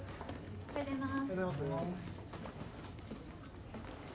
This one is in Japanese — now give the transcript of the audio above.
おはようございます。